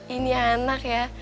ini enak ya